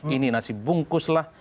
ini nasi bungkus lah